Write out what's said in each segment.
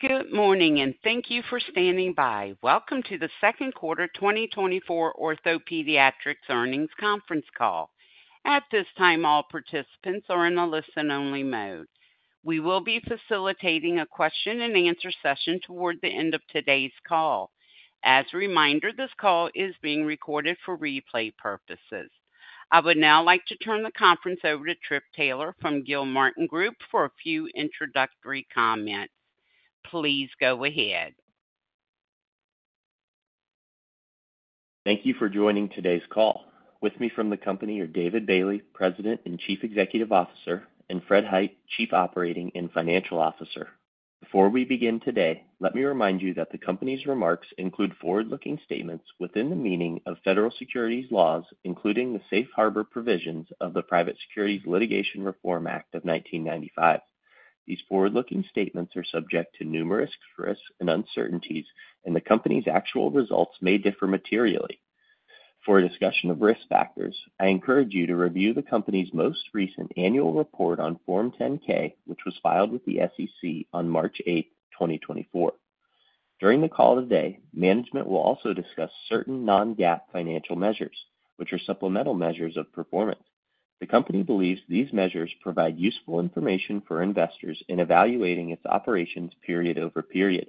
Good morning, and thank you for standing by. Welcome to the second quarter 2024 OrthoPediatrics Earnings Conference Call. At this time, all participants are in a listen-only mode. We will be facilitating a question-and-answer session toward the end of today's call. As a reminder, this call is being recorded for replay purposes. I would now like to turn the conference over to Tripp Taylor from Gilmartin Group for a few introductory comments. Please go ahead. Thank you for joining today's call. With me from the company are David Bailey, President and Chief Executive Officer, and Fred Hite, Chief Operating and Financial Officer. Before we begin today, let me remind you that the company's remarks include forward-looking statements within the meaning of federal securities laws, including the Safe Harbor provisions of the Private Securities Litigation Reform Act of 1995. These forward-looking statements are subject to numerous risks and uncertainties, and the company's actual results may differ materially. For a discussion of risk factors, I encourage you to review the company's most recent annual report on Form 10-K, which was filed with the SEC on March 8, 2024. During the call today, management will also discuss certain non-GAAP financial measures, which are supplemental measures of performance. The company believes these measures provide useful information for investors in evaluating its operations period-over-period.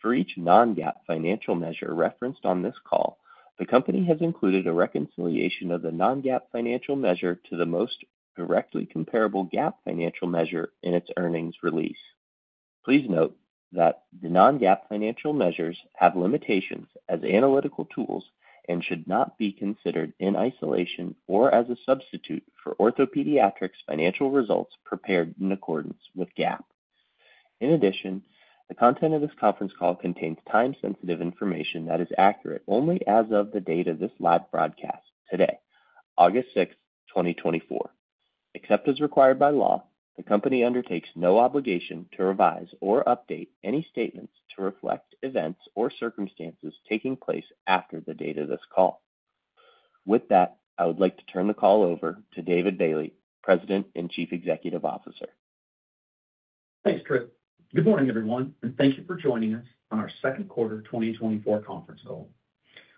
For each non-GAAP financial measure referenced on this call, the company has included a reconciliation of the non-GAAP financial measure to the most directly comparable GAAP financial measure in its earnings release. Please note that the non-GAAP financial measures have limitations as analytical tools and should not be considered in isolation or as a substitute for OrthoPediatrics' financial results prepared in accordance with GAAP. In addition, the content of this conference call contains time-sensitive information that is accurate only as of the date of this live broadcast today, August 6, 2024. Except as required by law, the company undertakes no obligation to revise or update any statements to reflect events or circumstances taking place after the date of this call. With that, I would like to turn the call over to David Bailey, President and Chief Executive Officer. Thanks, Tripp. Good morning, everyone, and thank you for joining us on our second quarter 2024 conference call.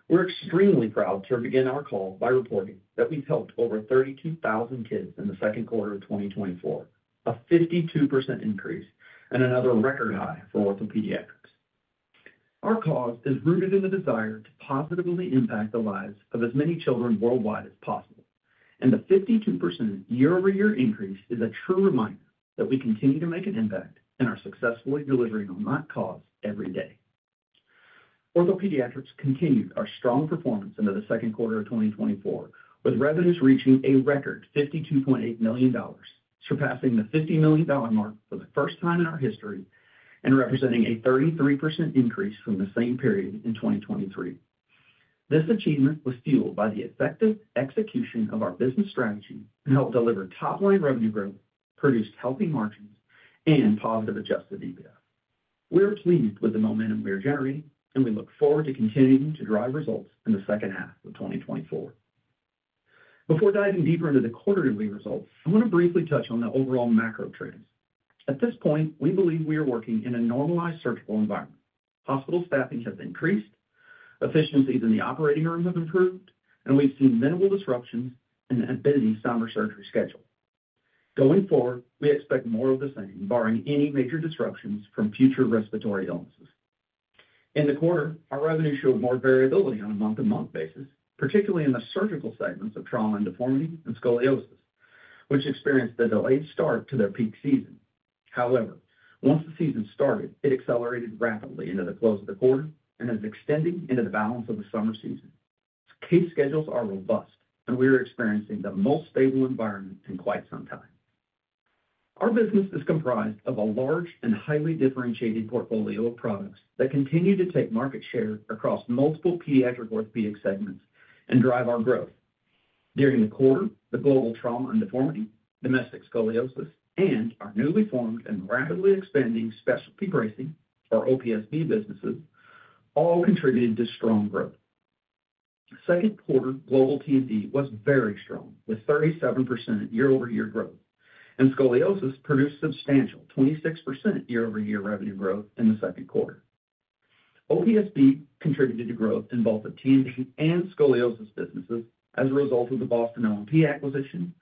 We're extremely proud to begin our call by reporting that we've helped over 32,000 kids in the second quarter of 2024, a 52% increase and another record high for OrthoPediatrics. Our cause is rooted in the desire to positively impact the lives of as many children worldwide as possible, and the 52% year-over-year increase is a true reminder that we continue to make an impact and are successfully delivering on that cause every day. OrthoPediatrics continued our strong performance into the second quarter of 2024, with revenues reaching a record $52.8 million, surpassing the $50 million mark for the first time in our history and representing a 33% increase from the same period in 2023. This achievement was fueled by the effective execution of our business strategy and helped deliver top-line revenue growth, produced healthy margins and positive adjusted EBITDA. We are pleased with the momentum we are generating, and we look forward to continuing to drive results in the second half of 2024. Before diving deeper into the quarterly results, I want to briefly touch on the overall macro trends. At this point, we believe we are working in a normalized surgical environment. Hospital staffing has increased, efficiencies in the operating room have improved, and we've seen minimal disruptions in the busy summer surgery schedule. Going forward, we expect more of the same, barring any major disruptions from future respiratory illnesses. In the quarter, our revenue showed more variability on a month-to-month basis, particularly in the surgical segments of Trauma and Deformity and Scoliosis, which experienced a delayed start to their peak season. However, once the season started, it accelerated rapidly into the close of the quarter and is extending into the balance of the summer season. Case schedules are robust, and we are experiencing the most stable environment in quite some time. Our business is comprised of a large and highly differentiated portfolio of products that continue to take market share across multiple pediatric orthopedic segments and drive our growth. During the quarter, the global Trauma and Deformity, domestic Scoliosis, and our newly formed and rapidly expanding specialty bracing, or OPSB businesses, all contributed to strong growth. Second quarter global T&D was very strong, with 37% year-over-year growth, and Scoliosis produced substantial 26% year-over-year revenue growth in the second quarter. OPSB contributed to growth in both the T&D and scoliosis businesses as a result of the Boston O&P acquisition,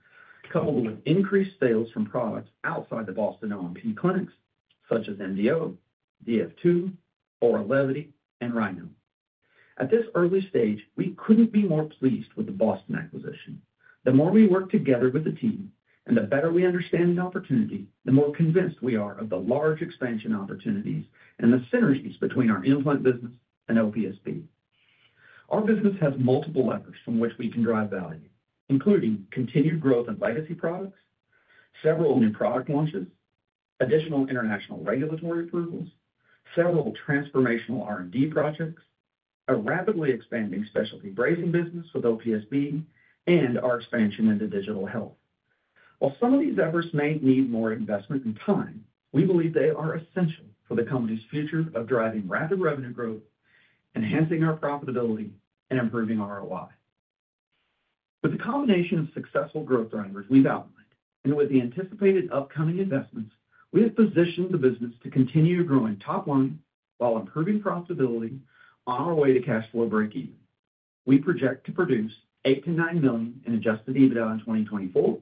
coupled with increased sales from products outside the Boston O&P clinics, such as MDO, DF2, Oral Levity, and Rhino. At this early stage, we couldn't be more pleased with the Boston acquisition. The more we work together with the team and the better we understand the opportunity, the more convinced we are of the large expansion opportunities and the synergies between our implant business and OPSB. Our business has multiple levers from which we can drive value, including continued growth in legacy products, several new product launches, additional international regulatory approvals, several transformational R&D projects, a rapidly expanding specialty bracing business with OPSB, and our expansion into digital health. While some of these efforts may need more investment and time, we believe they are essential for the company's future of driving rapid revenue growth, enhancing our profitability, and improving ROI. With the combination of successful growth drivers we've outlined, and with the anticipated upcoming investments, we have positioned the business to continue growing top line while improving profitability on our way to cash flow breakeven. We project to produce $8 million-$9 million in adjusted EBITDA in 2024,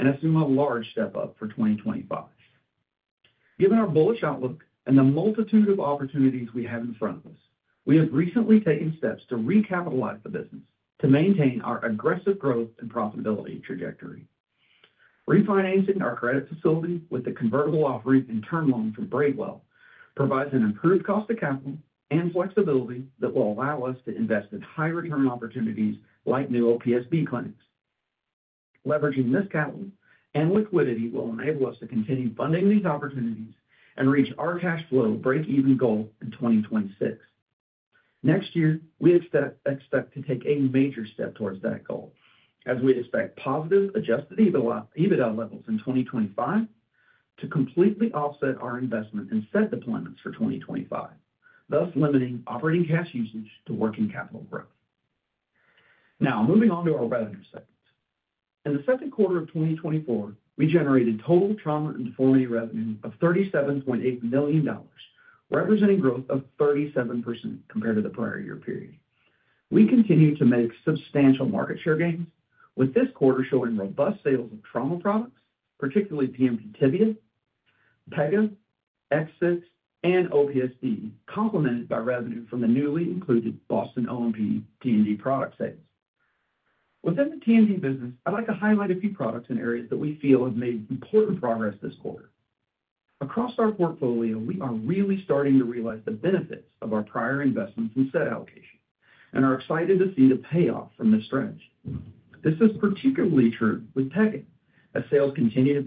and assume a large step-up for 2025. Given our bullish outlook and the multitude of opportunities we have in front of us, we have recently taken steps to recapitalize the business to maintain our aggressive growth and profitability trajectory. Refinancing our credit facility with a convertible offering and term loan from BraveWell provides an improved cost of capital and flexibility that will allow us to invest in high return opportunities like new OPSB clinics. Leveraging this capital and liquidity will enable us to continue funding these opportunities and reach our cash flow breakeven goal in 2026. Next year, we expect to take a major step towards that goal, as we expect positive adjusted EBITDA levels in 2025 to completely offset our investment in set deployments for 2025, thus limiting operating cash usage to working capital growth. Now, moving on to our revenue segments. In the second quarter of 2024, we generated total Trauma and Deformity revenue of $37.8 million, representing growth of 37% compared to the prior year period. We continue to make substantial market share gains, with this quarter showing robust sales of trauma products, particularly PNP Tibia, Pega, Orthex, and OPSB, complemented by revenue from the newly included Boston O&P T&D product sales. Within the T&D business, I'd like to highlight a few products and areas that we feel have made important progress this quarter. Across our portfolio, we are really starting to realize the benefits of our prior investments in set allocation, and are excited to see the payoff from this stretch. This is particularly true with Pega, as sales continue to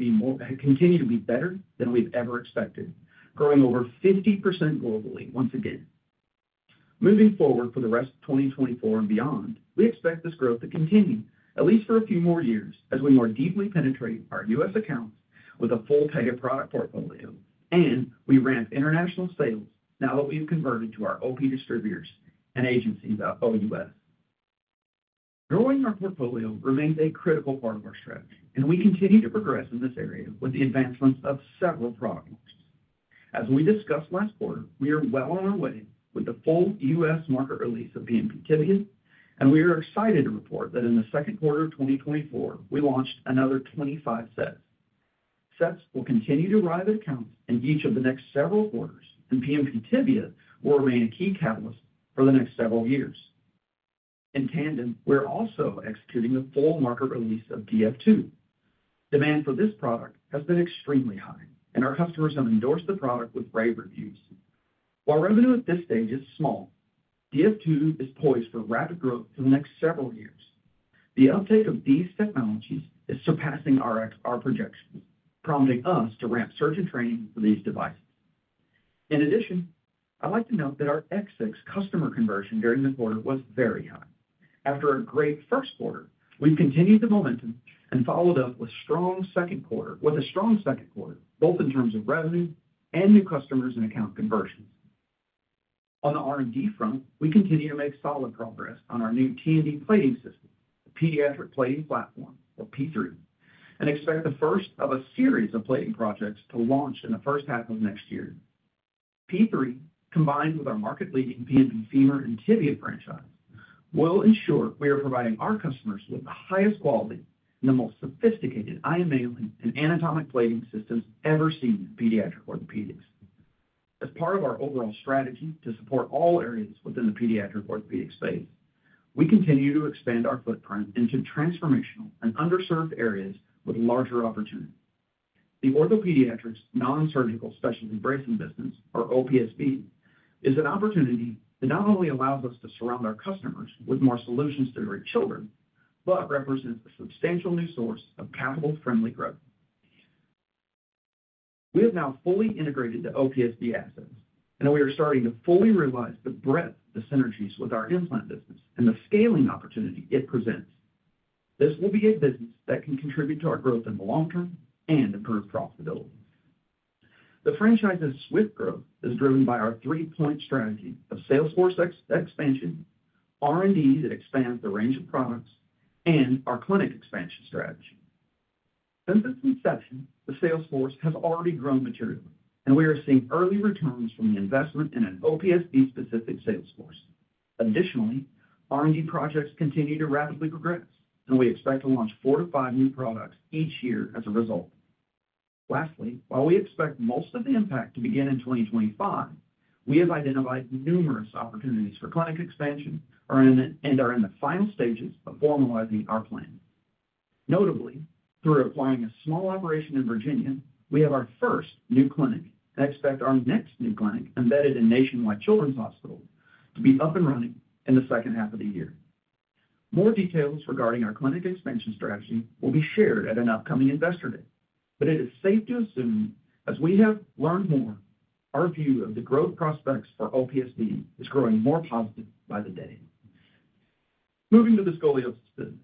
be better than we've ever expected, growing over 50% globally once again. Moving forward for the rest of 2024 and beyond, we expect this growth to continue at least for a few more years, as we more deeply penetrate our U.S. accounts with a full Pega product portfolio, and we ramp international sales now that we've converted to our OP distributors and agencies out OUS. Growing our portfolio remains a critical part of our strategy, and we continue to progress in this area with the advancements of several products. As we discussed last quarter, we are well on our way with the full U.S. market release of PNP Tibia, and we are excited to report that in the second quarter of 2024, we launched another 25 sets. Sets will continue to arrive at accounts in each of the next several quarters, and PNP Tibia will remain a key catalyst for the next several years. In tandem, we're also executing the full market release of DF2. Demand for this product has been extremely high, and our customers have endorsed the product with rave reviews. While revenue at this stage is small, DF2 is poised for rapid growth for the next several years. The uptake of these technologies is surpassing our projections, prompting us to ramp surgeon training for these devices. In addition, I'd like to note that our XFIX customer conversion during the quarter was very high. After a great first quarter, we've continued the momentum and followed up with a strong second quarter, both in terms of revenue and new customers and account conversions. On the R&D front, we continue to make solid progress on our new T&D plating system, the pediatric plating platform, or P3, and expect the first of a series of plating projects to launch in the first half of next year. P3, combined with our market-leading PNP Femur and Tibia franchise, will ensure we are providing our customers with the highest quality and the most sophisticated IMA and anatomic plating systems ever seen in pediatric orthopedics. As part of our overall strategy to support all areas within the pediatric orthopedic space, we continue to expand our footprint into transformational and underserved areas with larger opportunities. The Orthopediatrics non-surgical specialty bracing business, or OPSB, is an opportunity that not only allows us to surround our customers with more solutions to treat children, but represents a substantial new source of capital-friendly growth. We have now fully integrated the OPSB assets, and we are starting to fully realize the breadth, the synergies with our implant business and the scaling opportunity it presents. This will be a business that can contribute to our growth in the long term and improve profitability. The franchise's swift growth is driven by our three-point strategy of sales force expansion, R&D that expands the range of products, and our clinic expansion strategy. Since its inception, the sales force has already grown materially, and we are seeing early returns from the investment in an OPSB-specific sales force. Additionally, R&D projects continue to rapidly progress, and we expect to launch 4-5 new products each year as a result. Lastly, while we expect most of the impact to begin in 2025, we have identified numerous opportunities for clinic expansion are in the final stages of formalizing our plan. Notably, through applying a small operation in Virginia, we have our first new clinic and expect our next new clinic, embedded in Nationwide Children's Hospital, to be up and running in the second half of the year. More details regarding our clinic expansion strategy will be shared at an upcoming investor day. But it is safe to assume, as we have learned more, our view of the growth prospects for OPSB is growing more positive by the day. Moving to the scoliosis business.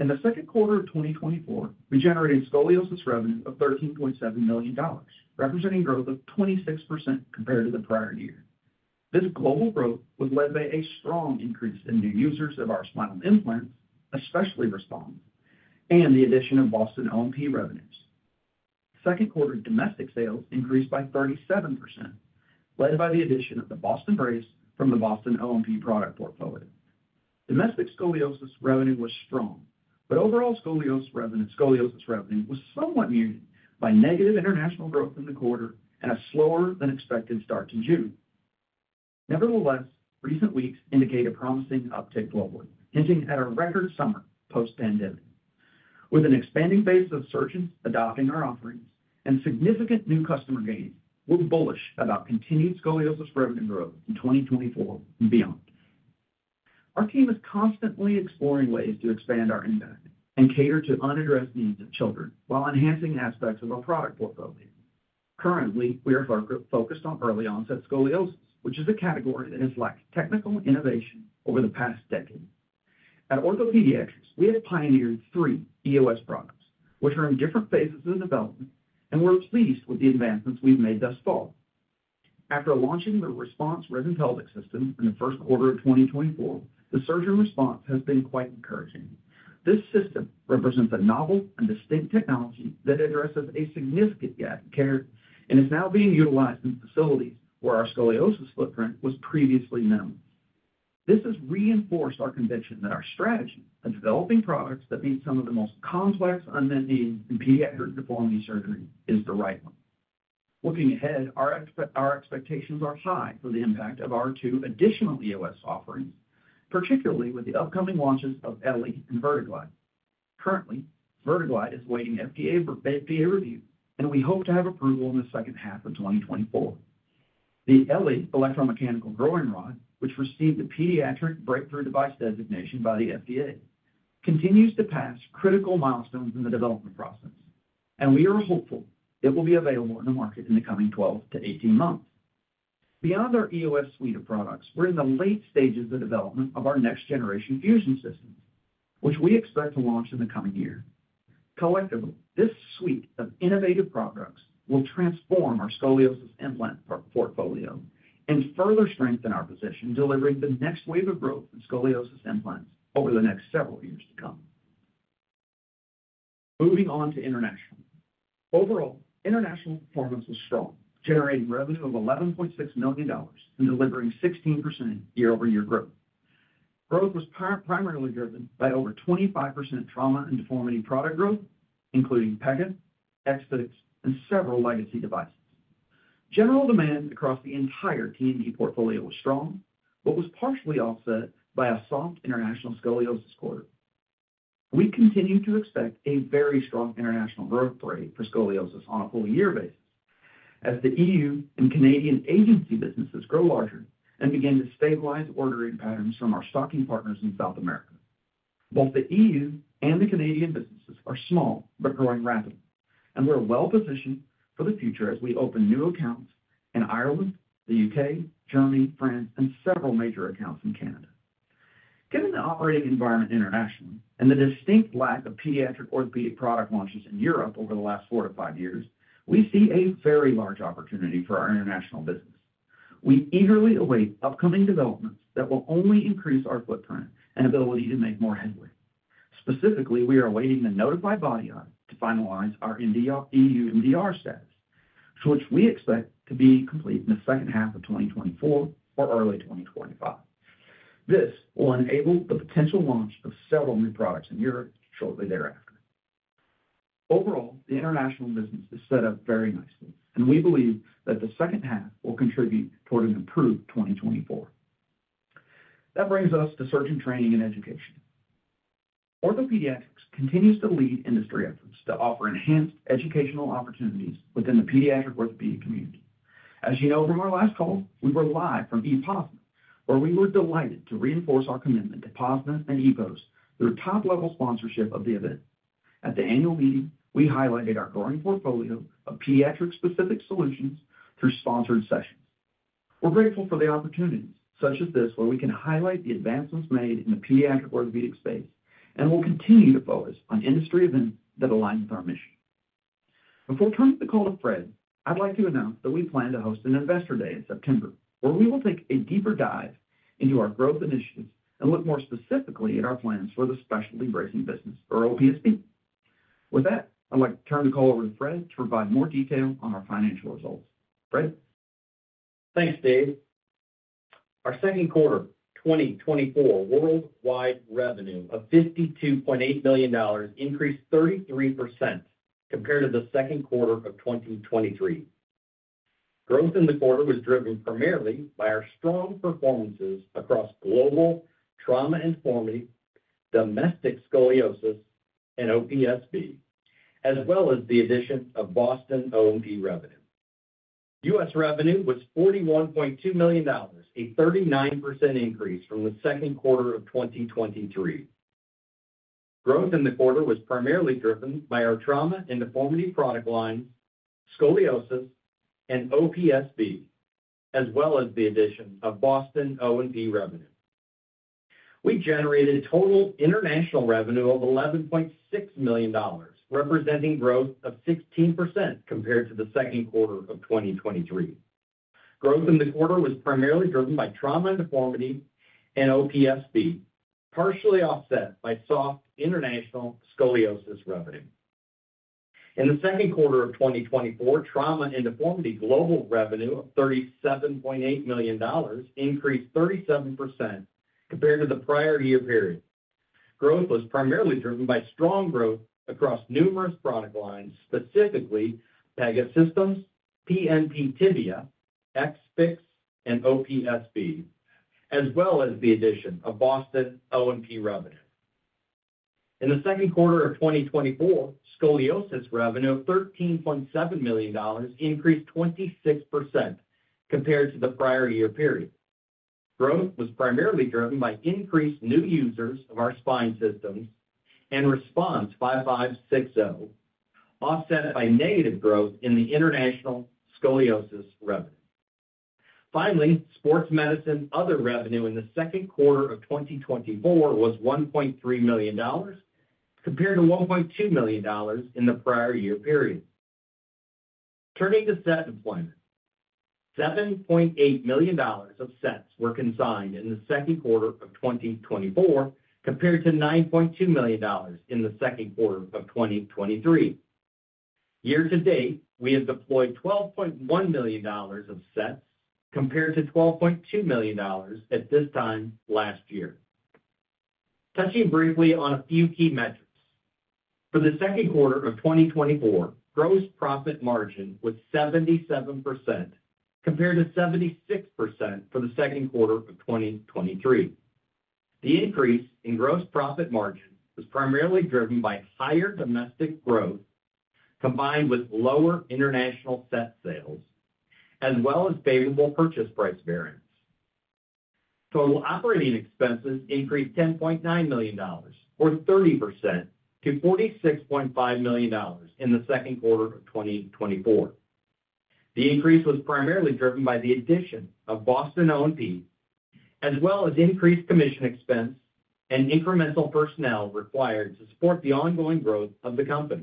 In the second quarter of 2024, we generated scoliosis revenue of $13.7 million, representing growth of 26% compared to the prior year.... This global growth was led by a strong increase in new users of our spinal implants, especially RESPONSE, and the addition of Boston O&P revenues. Second quarter domestic sales increased by 37%, led by the addition of the Boston Brace from the Boston O&P product portfolio. Domestic scoliosis revenue was strong, but overall scoliosis revenue was somewhat muted by negative international growth in the quarter and a slower than expected start to June. Nevertheless, recent weeks indicate a promising uptick globally, hinting at a record summer post-pandemic. With an expanding base of surgeons adopting our offerings and significant new customer gains, we're bullish about continued scoliosis revenue growth in 2024 and beyond. Our team is constantly exploring ways to expand our impact and cater to unaddressed needs of children while enhancing aspects of our product portfolio. Currently, we are focused on early-onset scoliosis, which is a category that has lacked technical innovation over the past decade. At OrthoPediatrics, we have pioneered three EOS products, which are in different phases of development, and we're pleased with the advancements we've made thus far. After launching the RESPONSE Rib & Pelvic System in the first quarter of 2024, the surgeon response has been quite encouraging. This system represents a novel and distinct technology that addresses a significant gap in care and is now being utilized in facilities where our scoliosis footprint was previously known. This has reinforced our conviction that our strategy of developing products that meet some of the most complex unmet needs in pediatric deformity surgery is the right one. Looking ahead, our expectations are high for the impact of our two additional EOS offerings, particularly with the upcoming launches of eLLi and VertiGlide. Currently, VertiGlide is awaiting FDA, FDA review, and we hope to have approval in the second half of 2024. The eLLi electromechanical growing rod, which received a pediatric breakthrough device designation by the FDA, continues to pass critical milestones in the development process, and we are hopeful it will be available in the market in the coming 12-18 months. Beyond our EOS suite of products, we're in the late stages of development of our next-generation fusion system, which we expect to launch in the coming year. Collectively, this suite of innovative products will transform our scoliosis implant portfolio and further strengthen our position, delivering the next wave of growth in scoliosis implants over the next several years to come. Moving on to international. Overall, international performance was strong, generating revenue of $11.6 million and delivering 16% year-over-year growth. Growth was primarily driven by over 25% Trauma and Deformity product growth, including PEGA, XFIX and several legacy devices. General demand across the entire T&D portfolio was strong, but was partially offset by a soft international scoliosis quarter. We continue to expect a very strong international growth rate for scoliosis on a full year basis, as the EU and Canadian agency businesses grow larger and begin to stabilize ordering patterns from our stocking partners in South America. Both the EU and the Canadian businesses are small but growing rapidly, and we're well positioned for the future as we open new accounts in Ireland, the U.K., Germany, France, and several major accounts in Canada. Given the operating environment internationally and the distinct lack of pediatric orthopedic product launches in Europe over the last 4-5 years, we see a very large opportunity for our international business. We eagerly await upcoming developments that will only increase our footprint and ability to make more headway. Specifically, we are awaiting the notified body to finalize our MDR-EU MDR status, to which we expect to be complete in the second half of 2024 or early 2025. This will enable the potential launch of several new products in Europe shortly thereafter. Overall, the international business is set up very nicely, and we believe that the second half will contribute toward an improved 2024. That brings us to surgeon training and education. OrthoPediatrics continues to lead industry efforts to offer enhanced educational opportunities within the pediatric orthopedic community. As you know from our last call, we were live from POSNA, where we were delighted to reinforce our commitment to POSNA and EOS through top-level sponsorship of the event. At the annual meeting, we highlighted our growing portfolio of pediatric-specific solutions through sponsored sessions. We're grateful for the opportunities such as this, where we can highlight the advancements made in the pediatric orthopedic space, and we'll continue to focus on industry events that align with our mission. Before turning the call to Fred, I'd like to announce that we plan to host an Investor Day in September, where we will take a deeper dive into our growth initiatives and look more specifically at our plans for the Specialty Bracing business or OPSB. With that, I'd like to turn the call over to Fred to provide more detail on our financial results. Fred? Thanks, Dave. Our second quarter 2024 worldwide revenue of $52.8 million increased 33% compared to the second quarter of 2023. Growth in the quarter was driven primarily by our strong performances across global Trauma and Deformity, domestic Scoliosis and OPSB, as well as the addition of Boston O&P revenue. U.S. revenue was $41.2 million, a 39% increase from the second quarter of 2023. Growth in the quarter was primarily driven by our Trauma and Deformity product line, Scoliosis and OPSB, as well as the addition of Boston O&P revenue. We generated total international revenue of $11.6 million, representing growth of 16% compared to the second quarter of 2023. Growth in the quarter was primarily driven by Trauma and Deformity and OPSB, partially offset by soft international Scoliosis revenue. In the second quarter of 2024, Trauma and Deformity global revenue of $37.8 million increased 37% compared to the prior year period. Growth was primarily driven by strong growth across numerous product lines, specifically Pegasystems, PNP Tibia, XFIX and OPSB, as well as the addition of Boston O&P revenue. In the second quarter of 2024, scoliosis revenue of $13.7 million increased 26% compared to the prior year period. Growth was primarily driven by increased new users of our spine systems and RESPONSE 5.5/6.0, offset by negative growth in the international scoliosis revenue. Finally, Sports Medicine other revenue in the second quarter of 2024 was $1.3 million, compared to $1.2 million in the prior year period. Turning to set deployment. $7.8 million of sets were consigned in the second quarter of 2024, compared to $9.2 million in the second quarter of 2023. Year-to-date, we have deployed $12.1 million of sets, compared to $12.2 million at this time last year. Touching briefly on a few key metrics. For the second quarter of 2024, gross profit margin was 77%, compared to 76% for the second quarter of 2023. The increase in gross profit margin was primarily driven by higher domestic growth, combined with lower international set sales, as well as favorable purchase price variance. Total operating expenses increased $10.9 million, or 30% to $46.5 million in the second quarter of 2024. The increase was primarily driven by the addition of Boston O&P, as well as increased commission expense and incremental personnel required to support the ongoing growth of the company.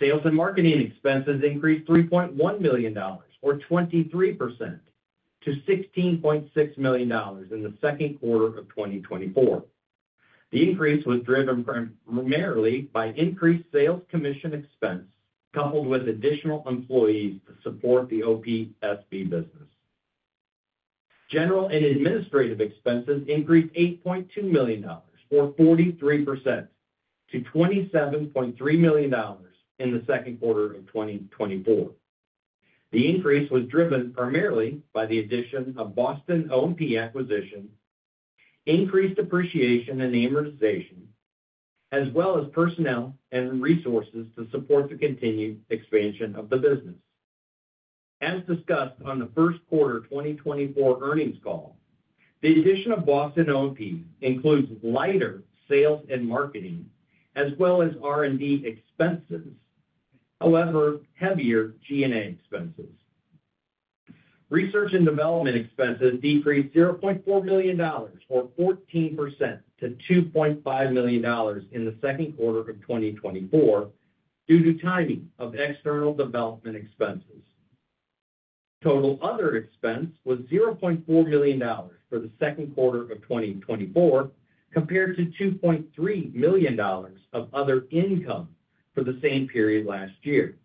Sales and marketing expenses increased $3.1 million or 23% to $16.6 million in the second quarter of 2024. The increase was driven primarily by increased sales commission expense, coupled with additional employees to support the OPSB business. General and administrative expenses increased $8.2 million, or 43% to $27.3 million in the second quarter of 2024. The increase was driven primarily by the addition of Boston O&P acquisition, increased depreciation and amortization, as well as personnel and resources to support the continued expansion of the business. As discussed on the first quarter 2024 earnings call, the addition of Boston O&P includes lighter sales and marketing as well as R&D expenses, however, heavier G&A expenses. Research and development expenses decreased $0.4 million, or 14% to $2.5 million in the second quarter of 2024 due to timing of external development expenses. Total other expense was $0.4 million for the second quarter of 2024, compared to $2.3 million of other income for the same period last year.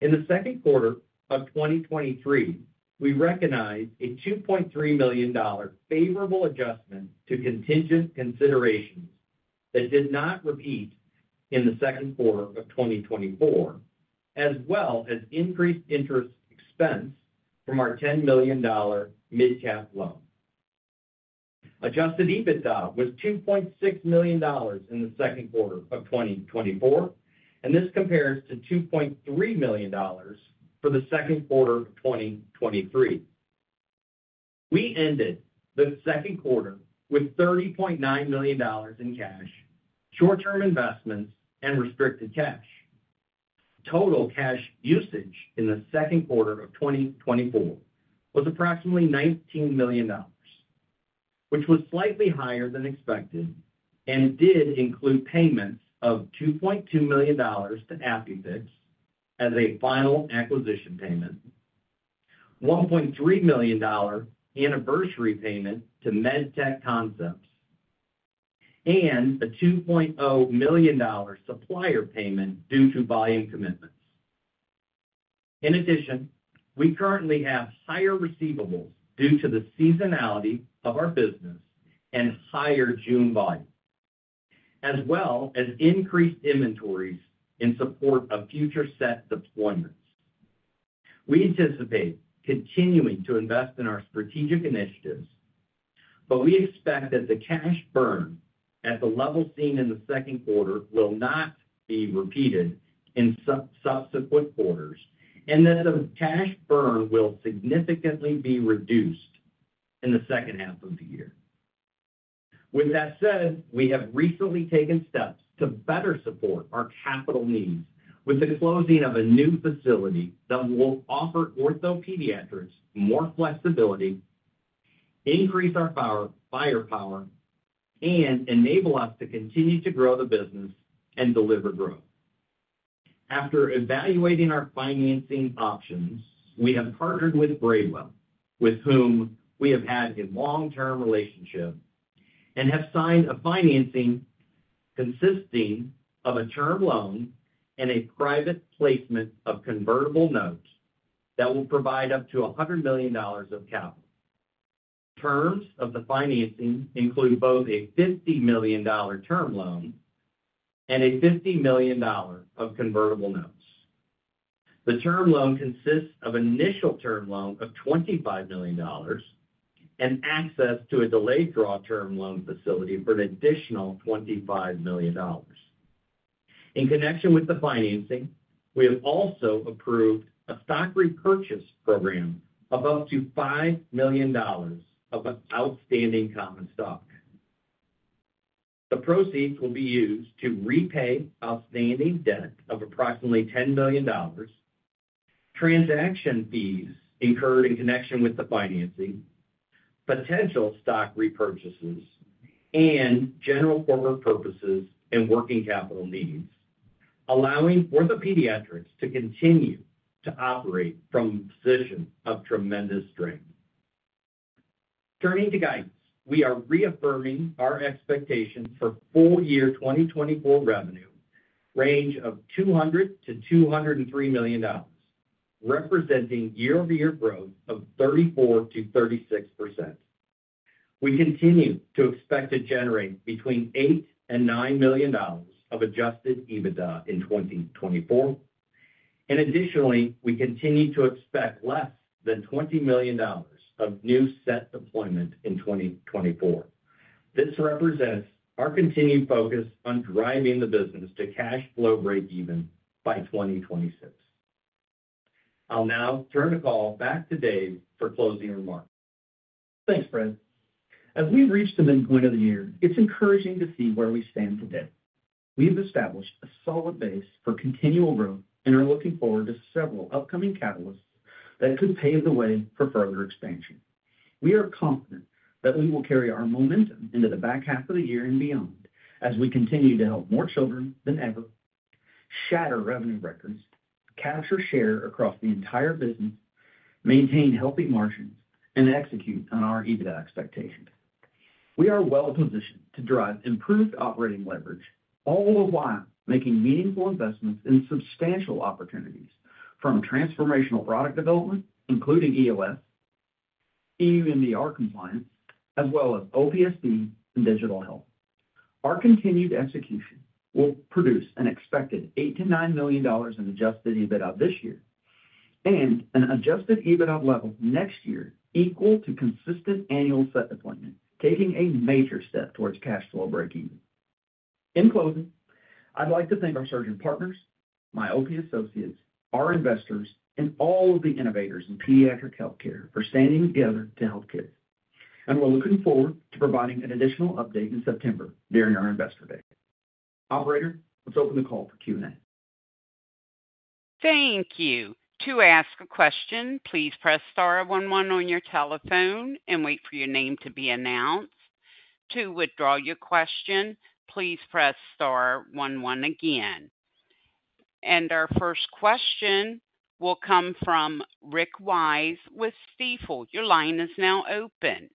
In the second quarter of 2023, we recognized a $2.3 million favorable adjustment to contingent considerations that did not repeat in the second quarter of 2024, as well as increased interest expense from our $10 million mid-cap loan. Adjusted EBITDA was $2.6 million in the second quarter of 2024, and this compares to $2.3 million for the second quarter of 2023. We ended the second quarter with $30.9 million in cash, short-term investments and restricted cash. Total cash usage in the second quarter of 2024 was approximately $19 million, which was slightly higher than expected and did include payments of $2.2 million to ApiFix as a final acquisition payment, $1.3 million anniversary payment to MedTech Concepts, and a $2.0 million supplier payment due to volume commitments. In addition, we currently have higher receivables due to the seasonality of our business and higher June volume, as well as increased inventories in support of future set deployments. We anticipate continuing to invest in our strategic initiatives, but we expect that the cash burn at the level seen in the second quarter will not be repeated in subsequent quarters and that the cash burn will significantly be reduced in the second half of the year. With that said, we have recently taken steps to better support our capital needs with the closing of a new facility that will offer OrthoPediatrics more flexibility, increase our firepower, and enable us to continue to grow the business and deliver growth. After evaluating our financing options, we have partnered with Bravewell, with whom we have had a long-term relationship, and have signed a financing consisting of a term loan and a private placement of convertible notes that will provide up to $100 million of capital. Terms of the financing include both a $50 million term loan and a $50 million of convertible notes. The term loan consists of initial term loan of $25 million and access to a delayed draw term loan facility for an additional $25 million. In connection with the financing, we have also approved a stock repurchase program of up to $5 million of outstanding common stock. The proceeds will be used to repay outstanding debt of approximately $10 million, transaction fees incurred in connection with the financing, potential stock repurchases, and general corporate purposes and working capital needs, allowing OrthoPediatrics to continue to operate from a position of tremendous strength. Turning to guidance, we are reaffirming our expectations for full year 2024 revenue range of $200 million-$203 million, representing year-over-year growth of 34%-36%. We continue to expect to generate between $8 million and $9 million of adjusted EBITDA in 2024. Additionally, we continue to expect less than $20 million of new set deployment in 2024. This represents our continued focus on driving the business to cash flow breakeven by 2026. I'll now turn the call back to Dave for closing remarks. Thanks, Fred. As we've reached the midpoint of the year, it's encouraging to see where we stand today. We've established a solid base for continual growth and are looking forward to several upcoming catalysts that could pave the way for further expansion. We are confident that we will carry our momentum into the back half of the year and beyond, as we continue to help more children than ever, shatter revenue records, capture share across the entire business, maintain healthy margins, and execute on our EBITDA expectations. We are well positioned to drive improved operating leverage, all the while making meaningful investments in substantial opportunities from transformational product development, including EOS, EU MDR compliance, as well as OPSB and digital health. Our continued execution will produce an expected $8 million-$9 million in adjusted EBITDA this year, and an adjusted EBITDA level next year equal to consistent annual set deployment, taking a major step towards cash flow breakeven. In closing, I'd like to thank our surgeon partners, my OP associates, our investors, and all of the innovators in pediatric healthcare for standing together to help kids. We're looking forward to providing an additional update in September during our Investor Day. Operator, let's open the call for Q&A. Thank you. To ask a question, please press star one one on your telephone and wait for your name to be announced. To withdraw your question, please press star one one again. Our first question will come from Rick Wise with Stifel. Your line is now open.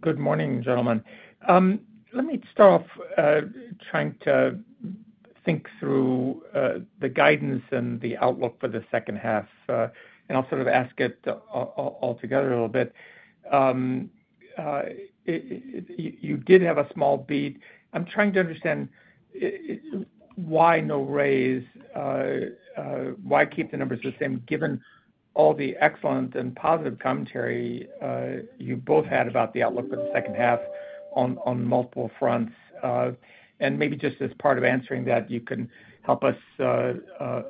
Good morning, gentlemen. Let me start off trying to think through the guidance and the outlook for the second half, and I'll sort of ask it all together a little bit. You did have a small beat. I'm trying to understand why no raise, why keep the numbers the same, given all the excellent and positive commentary you both had about the outlook for the second half on multiple fronts, and maybe just as part of answering that, you can help us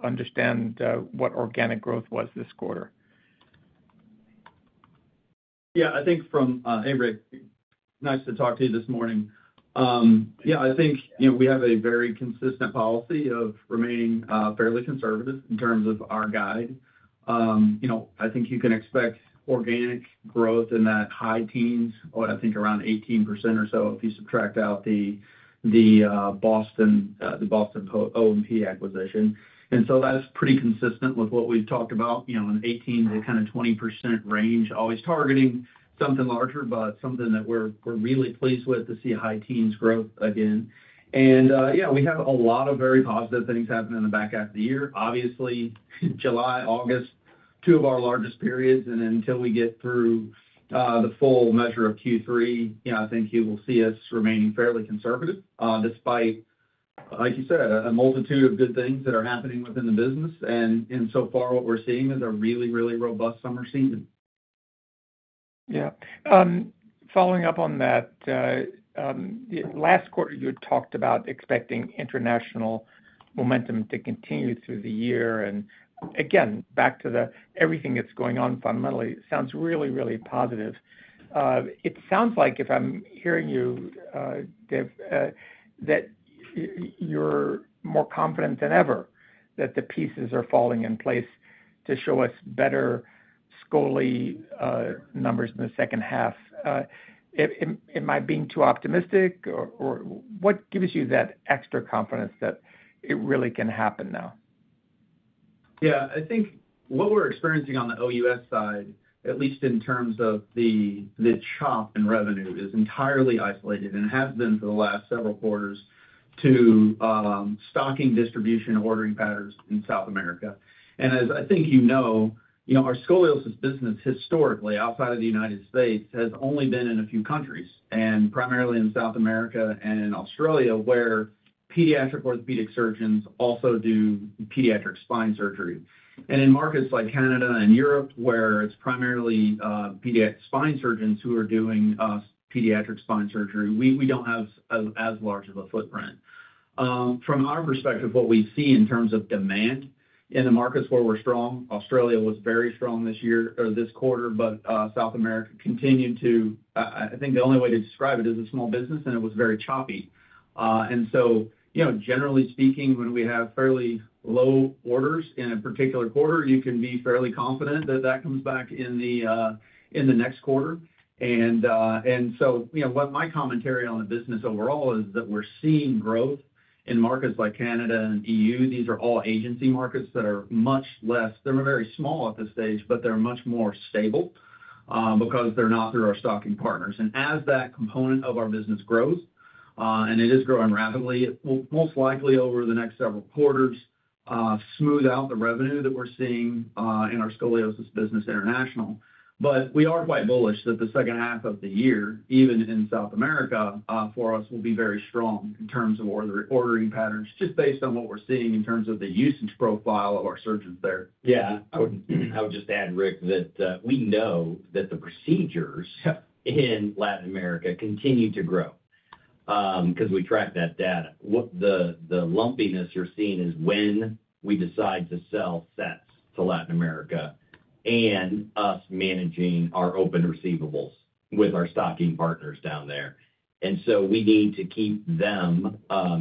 understand what organic growth was this quarter? Yeah, I think. Hey, Rick, nice to talk to you this morning. Yeah, I think, you know, we have a very consistent policy of remaining fairly conservative in terms of our guide. You know, I think you can expect organic growth in that high teens, or I think around 18% or so, if you subtract out the Boston O&P acquisition. And so that's pretty consistent with what we've talked about, you know, in the 18%-kind of 20% range, always targeting something larger, but something that we're really pleased with to see a high teens growth again. Yeah, we have a lot of very positive things happening in the back half of the year. Obviously, July, August, two of our largest periods, and until we get through the full measure of Q3, you know, I think you will see us remaining fairly conservative despite, like you said, a multitude of good things that are happening within the business. And so far, what we're seeing is a really, really robust summer season. Yeah. Following up on that, last quarter, you had talked about expecting international momentum to continue through the year. And again, back to the everything that's going on fundamentally, it sounds really, really positive. It sounds like, if I'm hearing you, Dave, that you're more confident than ever that the pieces are falling in place to show us better Scoli numbers in the second half. Am I being too optimistic, or what gives you that extra confidence that it really can happen now? Yeah, I think what we're experiencing on the OUS side, at least in terms of the chop in revenue, is entirely isolated and has been for the last several quarters to stocking distribution ordering patterns in South America. And as I think you know, you know, our scoliosis business historically outside of the United States has only been in a few countries, and primarily in South America and in Australia, where pediatric orthopedic surgeons also do pediatric spine surgery. And in markets like Canada and Europe, where it's primarily pediatric spine surgeons who are doing pediatric spine surgery, we don't have as large of a footprint. From our perspective, what we see in terms of demand in the markets where we're strong, Australia was very strong this year or this quarter, but South America continued to—I think the only way to describe it is a small business, and it was very choppy. And so, you know, generally speaking, when we have fairly low orders in a particular quarter, you can be fairly confident that that comes back in the next quarter. And so, you know, what my commentary on the business overall is that we're seeing growth in markets like Canada and EU. These are all agency markets that are much less—they're very small at this stage, but they're much more stable because they're not through our stocking partners. And as that component of our business grows, and it is growing rapidly, it will most likely over the next several quarters, smooth out the revenue that we're seeing, in our Scoliosis business international. But we are quite bullish that the second half of the year, even in South America, for us, will be very strong in terms of ordering patterns, just based on what we're seeing in terms of the usage profile of our surgeons there. Yeah, I would just add, Rick, that we know that the procedures in Latin America continue to grow, because we track that data. What the lumpiness you're seeing is when we decide to sell sets to Latin America and us managing our open receivables with our stocking partners down there. And so we need to keep them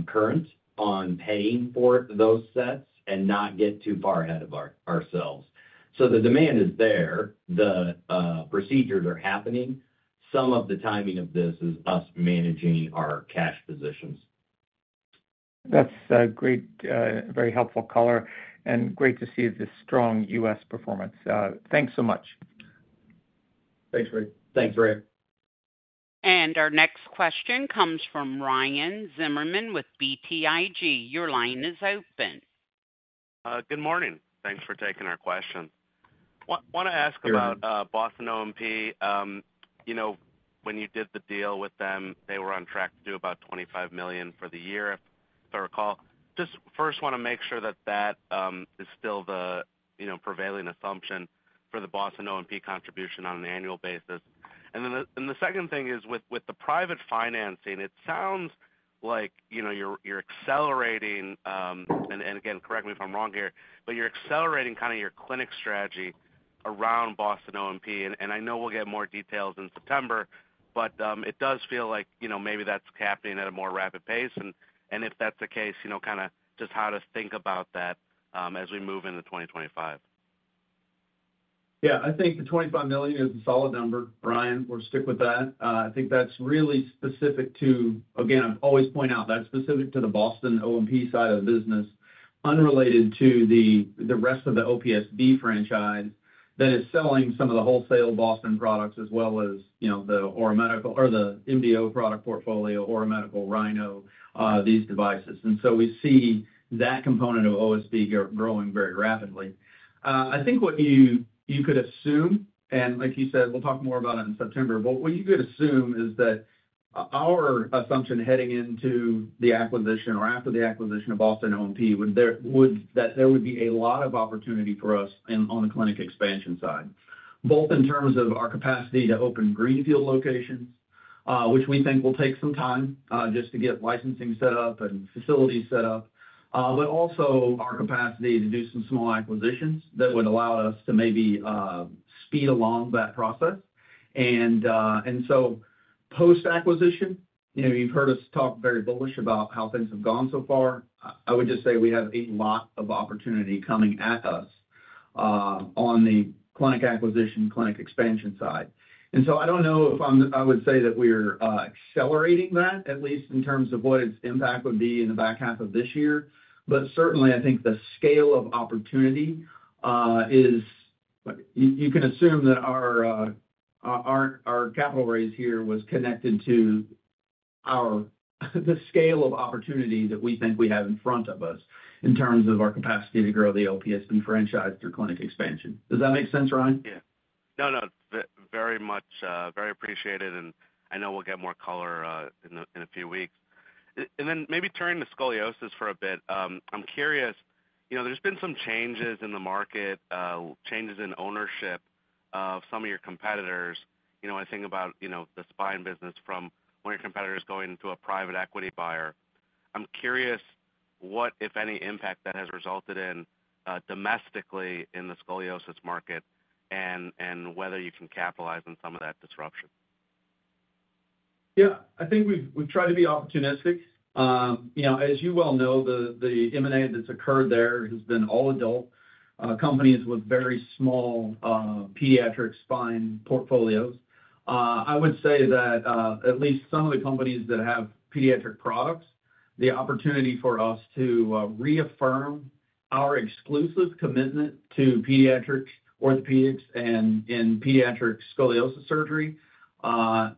current on paying for those sets and not get too far ahead of ourselves. So the demand is there, the procedures are happening. Some of the timing of this is us managing our cash positions. That's a great, very helpful color, and great to see the strong U.S. performance. Thanks so much. Thanks, Rick. Thanks, Rick. Our next question comes from Ryan Zimmerman with BTIG. Your line is open. Good morning. Thanks for taking our question. Want to ask about Boston O&P. You know, when you did the deal with them, they were on track to do about $25 million for the year, if I recall. Just first want to make sure that that is still the, you know, prevailing assumption for the Boston O&P contribution on an annual basis. And then the second thing is, with the private financing, it sounds like, you know, you're accelerating, and again, correct me if I'm wrong here, but you're accelerating kind of your clinic strategy around Boston O&P, and I know we'll get more details in September, but it does feel like, you know, maybe that's happening at a more rapid pace. And if that's the case, you know, kind of just how to think about that, as we move into 2025. Yeah, I think the $25 million is a solid number, Brian. We'll stick with that. I think that's really specific to, again, I always point out, that's specific to the Boston O&P side of the business, unrelated to the, the rest of the OPSB franchise that is selling some of the wholesale Boston products as well as, you know, the Aura Medical or the MDO product portfolio, Aura Medical, Rhino, these devices. And so we see that component of OSD growing very rapidly. I think what you could assume, and like you said, we'll talk more about it in September, but what you could assume is that our assumption heading into the acquisition or after the acquisition of Boston O&P would that there would be a lot of opportunity for us in on the clinic expansion side, both in terms of our capacity to open greenfield locations, which we think will take some time, just to get licensing set up and facilities set up, but also our capacity to do some small acquisitions that would allow us to maybe speed along that process. And so post-acquisition, you know, you've heard us talk very bullish about how things have gone so far. I would just say we have a lot of opportunity coming at us on the clinic acquisition, clinic expansion side. And so I don't know if I'm, I would say that we're accelerating that, at least in terms of what its impact would be in the back half of this year. But certainly, I think the scale of opportunity is. You can assume that our capital raise here was connected to our, the scale of opportunity that we think we have in front of us in terms of our capacity to grow the OPSB franchise through clinic expansion. Does that make sense, Ryan? Yeah. No, no, very much, very appreciated, and I know we'll get more color in a few weeks. And then maybe turning to scoliosis for a bit, I'm curious, you know, there's been some changes in the market, changes in ownership of some of your competitors. You know, I think about, you know, the spine business from one of your competitors going to a private equity buyer. I'm curious what, if any, impact that has resulted in, domestically in the scoliosis market, and whether you can capitalize on some of that disruption? Yeah, I think we've tried to be opportunistic. You know, as you well know, the M&A that's occurred there has been all adult companies with very small pediatric spine portfolios. I would say that at least some of the companies that have pediatric products, the opportunity for us to reaffirm our exclusive commitment to pediatric orthopedics and pediatric scoliosis surgery has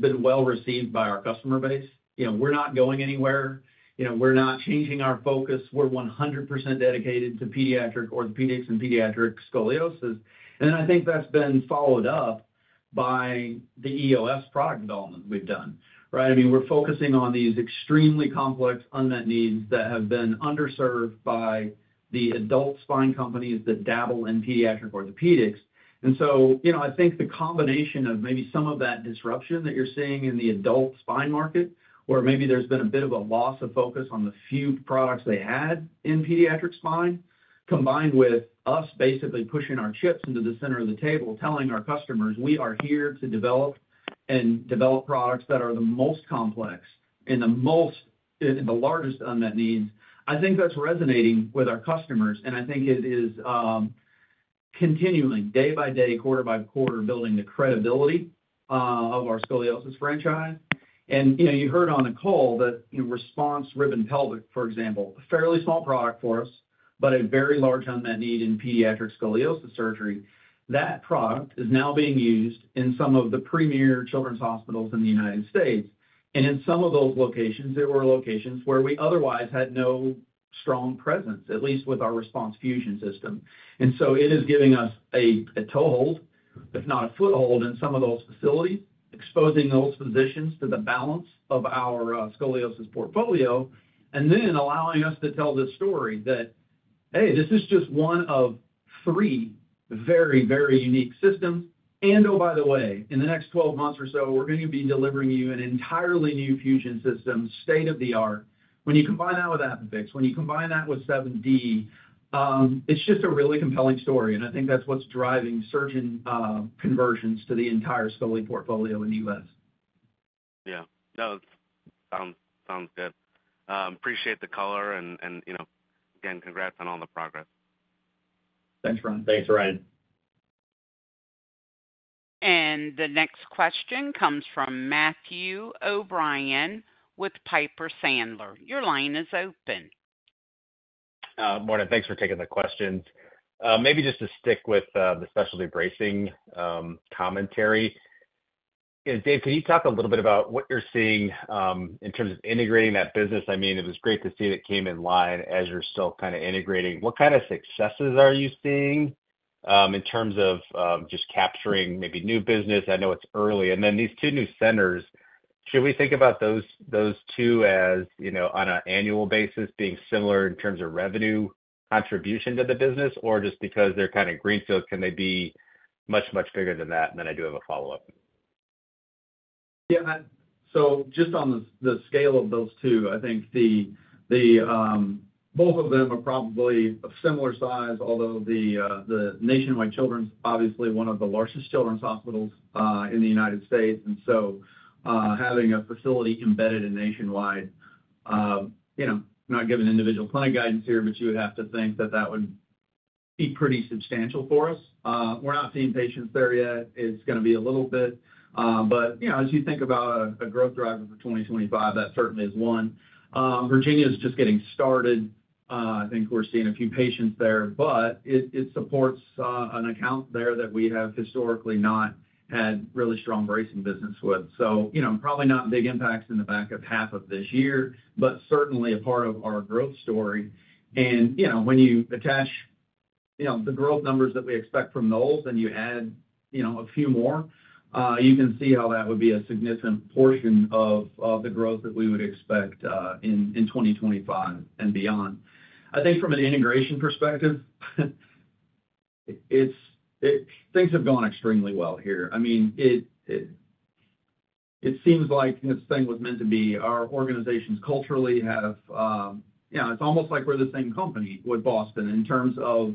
been well received by our customer base. You know, we're not going anywhere. You know, we're not changing our focus. We're 100% dedicated to pediatric orthopedics and pediatric scoliosis. And then I think that's been followed up by the EOS product development we've done, right? I mean, we're focusing on these extremely complex, unmet needs that have been underserved by the adult spine companies that dabble in pediatric orthopedics. So, you know, I think the combination of maybe some of that disruption that you're seeing in the adult spine market, where maybe there's been a bit of a loss of focus on the few products they had in pediatric spine, combined with us basically pushing our chips into the center of the table, telling our customers we are here to develop and develop products that are the most complex and the most, the largest unmet needs. I think that's resonating with our customers, and I think it is continuing day by day, quarter by quarter, building the credibility of our scoliosis franchise. And, you know, you heard on the call that, you know, RESPONSE Rib & Pelvic, for example, a fairly small product for us, but a very large unmet need in pediatric scoliosis surgery. That product is now being used in some of the premier children's hospitals in the United States. In some of those locations, there were locations where we otherwise had no strong presence, at least with our RESPONSE fusion system. So it is giving us a toehold, if not a foothold, in some of those facilities, exposing those physicians to the balance of our scoliosis portfolio, and then allowing us to tell the story that, hey, this is just one of three very, very unique systems. Oh, by the way, in the next 12 months or so, we're going to be delivering you an entirely new fusion system, state-of-the-art. When you combine that with ApiFix, when you combine that with 7D, it's just a really compelling story, and I think that's what's driving surgeon conversions to the entire scoliosis portfolio in the US. Yeah. That sounds good. Appreciate the color and, you know, again, congrats on all the progress. Thanks, Ryan. The next question comes from Matthew O'Brien with Piper Sandler. Your line is open. Morning. Thanks for taking the questions. Maybe just to stick with the specialty bracing commentary. Dave, can you talk a little bit about what you're seeing in terms of integrating that business? I mean, it was great to see that came in line as you're still kind of integrating. What kind of successes are you seeing in terms of just capturing maybe new business? I know it's early. And then these two new centers, should we think about those two as, you know, on an annual basis being similar in terms of revenue contribution to the business, or just because they're kind of greenfields, can they be much, much bigger than that? Then I do have a follow-up. Yeah, Matt. So just on the scale of those two, I think both of them are probably of similar size, although the Nationwide Children's, obviously one of the largest children's hospitals in the United States, and so, having a facility embedded in Nationwide, you know, not giving individual clinic guidance here, but you would have to think that that would be pretty substantial for us. We're not seeing patients there yet. It's gonna be a little bit, but, you know, as you think about a growth driver for 2025, that certainly is one. Virginia is just getting started. I think we're seeing a few patients there, but it supports an account there that we have historically not had really strong bracing business with. So, you know, probably not big impacts in the back half of this year, but certainly a part of our growth story. You know, when you attach, you know, the growth numbers that we expect from those, and you add, you know, a few more, you can see how that would be a significant portion of the growth that we would expect in 2025 and beyond. I think from an integration perspective, it's things have gone extremely well here. I mean, it seems like this thing was meant to be. Our organizations culturally have, you know, it's almost like we're the same company with Boston in terms of,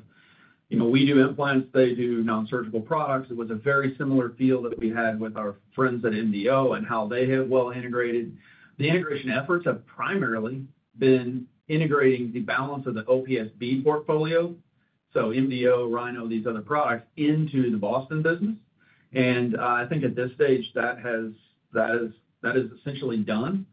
you know, we do implants, they do nonsurgical products. It was a very similar feel that we had with our friends at MDO and how they have well integrated. The integration efforts have primarily been integrating the balance of the OPSB portfolio, so MDO, Rhino, these other products, into the Boston business. And I think at this stage, that is essentially done.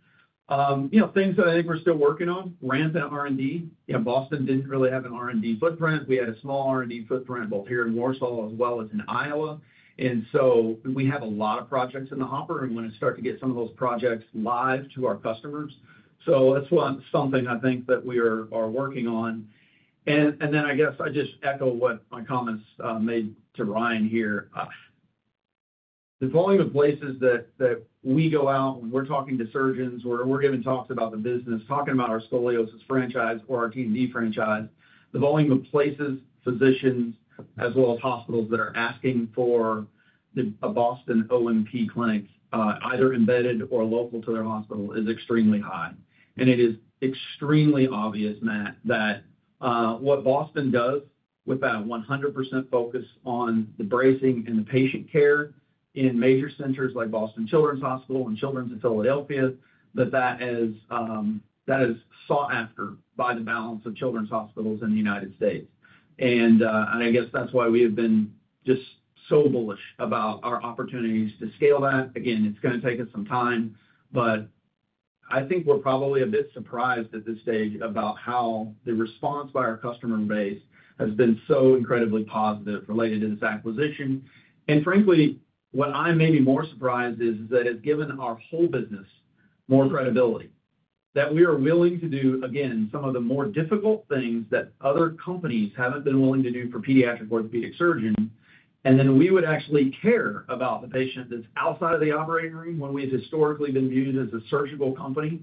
You know, things that I think we're still working on, ramped up R&D. You know, Boston didn't really have an R&D footprint. We had a small R&D footprint, both here in Warsaw as well as in Iowa. And so we have a lot of projects in the hopper, and we're gonna start to get some of those projects live to our customers. So that's one, something I think that we are working on. And then I guess I just echo what my comments made to Ryan here. The volume of places that we go out and we're talking to surgeons, or we're giving talks about the business, talking about our scoliosis franchise or our TD franchise, the volume of places, physicians, as well as hospitals that are asking for a Boston O&P clinic, either embedded or local to their hospital, is extremely high. And it is extremely obvious, Matt, that what Boston does with that 100% focus on the bracing and the patient care in major centers like Boston Children's Hospital and Children's in Philadelphia, that is sought after by the balance of children's hospitals in the United States. And I guess that's why we have been just so bullish about our opportunities to scale that. Again, it's gonna take us some time, but I think we're probably a bit surprised at this stage about how the response by our customer base has been so incredibly positive related to this acquisition. And frankly, what I may be more surprised is that it's given our whole business more credibility. That we are willing to do, again, some of the more difficult things that other companies haven't been willing to do for pediatric orthopedic surgeons, and then we would actually care about the patient that's outside of the operating room, when we've historically been viewed as a surgical company,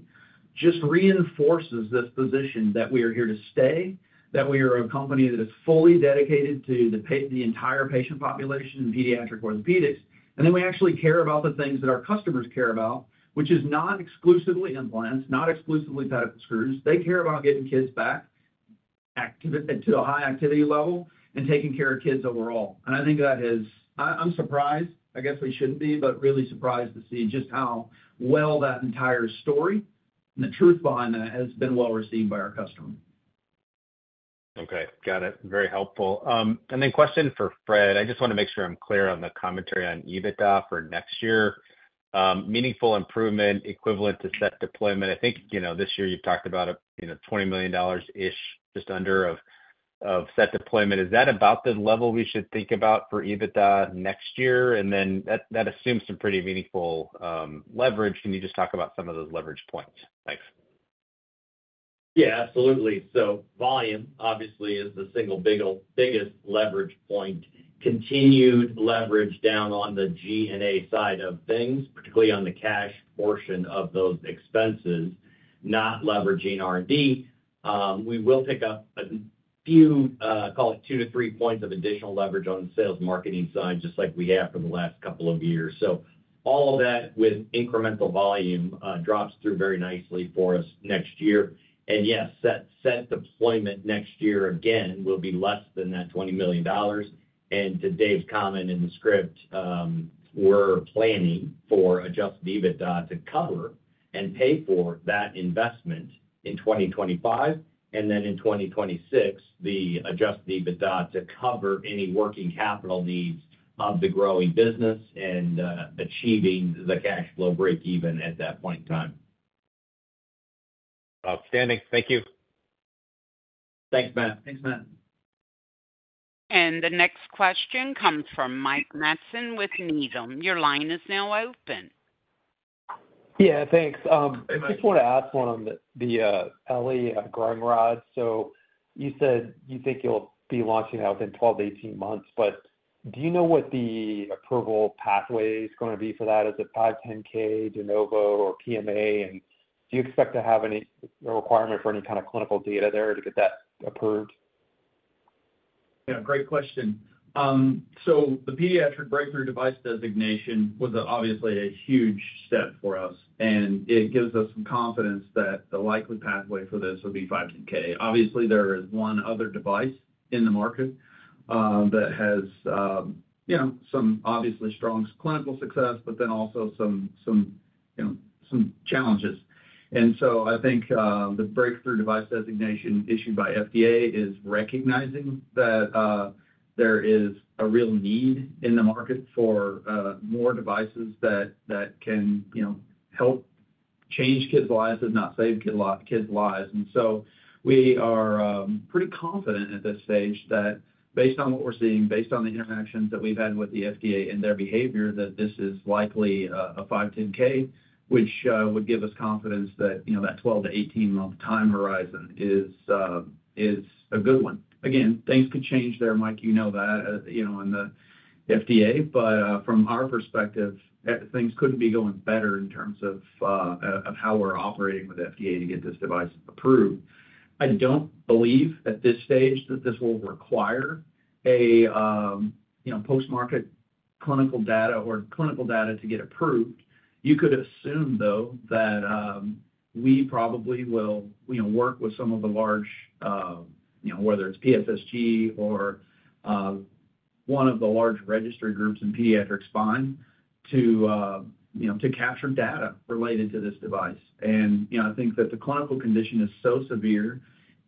just reinforces this position that we are here to stay, that we are a company that is fully dedicated to the entire patient population in pediatric orthopedics. And then we actually care about the things that our customers care about, which is not exclusively implants, not exclusively screws. They care about getting kids back to a high activity level and taking care of kids overall. And I think that has. I, I'm surprised, I guess we shouldn't be, but really surprised to see just how well that entire story and the truth behind that has been well received by our customers. Okay, got it. Very helpful. And then question for Fred. I just wanna make sure I'm clear on the commentary on EBITDA for next year. Meaningful improvement equivalent to set deployment. I think, you know, this year you've talked about a, you know, $20 million-ish, just under of, of set deployment. Is that about the level we should think about for EBITDA next year? And then that, that assumes some pretty meaningful leverage. Can you just talk about some of those leverage points? Thanks. Yeah, absolutely. So volume, obviously, is the single biggest leverage point. Continued leverage down on the G&A side of things, particularly on the cash portion of those expenses, not leveraging R&D. We will pick up a few, call it 2-3 points of additional leverage on the sales marketing side, just like we have for the last couple of years. So all of that with incremental volume, drops through very nicely for us next year. And yes, set, set deployment next year, again, will be less than that $20 million. And to Dave's comment in the script, we're planning for adjusted EBITDA to cover and pay for that investment in 2025, and then in 2026, the adjusted EBITDA to cover any working capital needs of the growing business and, achieving the cash flow break even at that point in time. Outstanding. Thank you. Thanks, Matt. Thanks, Matt. The next question comes from Mike Matson with Needham. Your line is now open. Yeah, thanks. Hey, Mike. I just want to ask one on the eLLi Growing Rod. So you said you think you'll be launching that within 12-18 months, but do you know what the approval pathway is gonna be for that? Is it 510(k), De Novo or PMA? And do you expect to have any requirement for any kind of clinical data there to get that approved? Yeah, great question. So the pediatric breakthrough device designation was obviously a huge step for us, and it gives us some confidence that the likely pathway for this would be 510(k). Obviously, there is one other device in the market that has, you know, some obviously strong clinical success, but then also some, you know, some challenges. And so I think the breakthrough device designation issued by FDA is recognizing that there is a real need in the market for more devices that can, you know, help change kids' lives and not save kids' lives. And so we are pretty confident at this stage that based on what we're seeing, based on the interactions that we've had with the FDA and their behavior, that this is likely a 510(k), which would give us confidence that, you know, that 12-18-month time horizon is a good one. Again, things could change there, Mike, you know that, you know, in the FDA. But from our perspective, things couldn't be going better in terms of how we're operating with FDA to get this device approved. I don't believe at this stage that this will require a, you know, post-market clinical data or clinical data to get approved. You could assume, though, that we probably will, you know, work with some of the large, you know, whether it's PSSG or one of the large registry groups in pediatric spine to, you know, to capture data related to this device. And, you know, I think that the clinical condition is so severe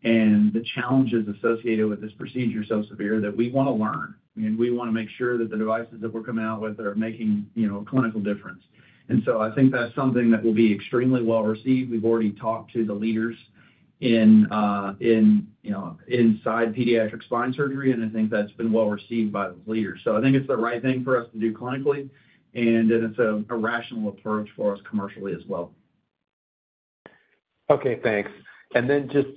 and the challenges associated with this procedure are so severe that we want to learn, and we want to make sure that the devices that we're coming out with are making, you know, a clinical difference. And so I think that's something that will be extremely well received. We've already talked to the leaders in, you know, inside pediatric spine surgery, and I think that's been well received by the leaders. So I think it's the right thing for us to do clinically, and then it's a rational approach for us commercially as well. Okay, thanks. And then just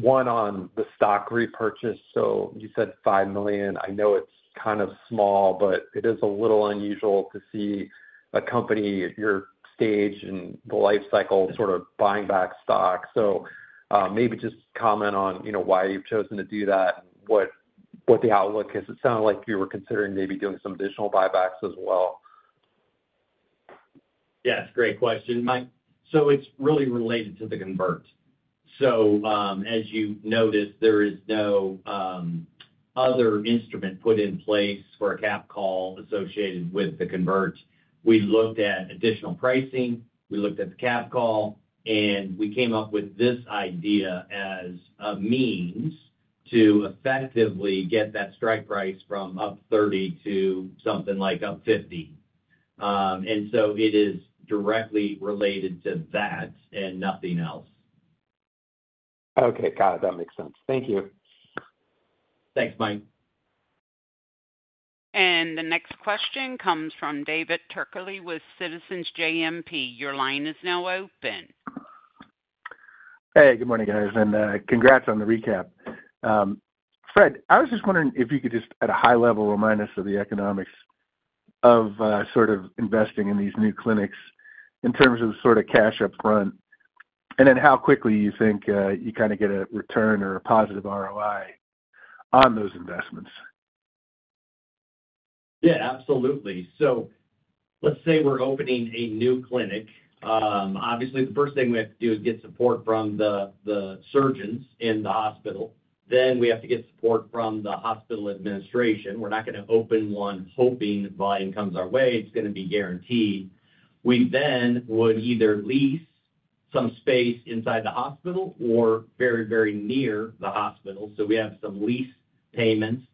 one on the stock repurchase. So you said $5 million. I know it's kind of small, but it is a little unusual to see a company at your stage in the life cycle, sort of buying back stock. So, maybe just comment on, you know, why you've chosen to do that, what, what the outlook is. It sounded like you were considering maybe doing some additional buybacks as well.... Yes, great question, Mike. So it's really related to the convert. So, as you noticed, there is no other instrument put in place for a capped call associated with the convert. We looked at additional pricing, we looked at the capped call, and we came up with this idea as a means to effectively get that strike price from up 30 to something like up 50. And so it is directly related to that and nothing else. Okay, got it. That makes sense. Thank you. Thanks, Mike. The next question comes from David Turkaly with Citizens JMP. Your line is now open. Hey, good morning, guys, and congrats on the recap. Fred, I was just wondering if you could just, at a high level, remind us of the economics of sort of investing in these new clinics in terms of sort of cash up front, and then how quickly you think you kind of get a return or a positive ROI on those investments? Yeah, absolutely. So let's say we're opening a new clinic. Obviously, the first thing we have to do is get support from the surgeons in the hospital, then we have to get support from the hospital administration. We're not going to open one hoping volume comes our way. It's going to be guaranteed. We then would either lease some space inside the hospital or very, very near the hospital, so we have some lease payments,